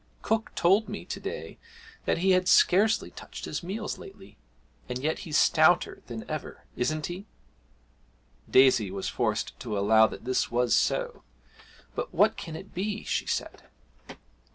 Cook told me to day that he had scarcely touched his meals lately. And yet he's stouter than ever isn't he?' Daisy was forced to allow that this was so. 'But what can it be?' she said.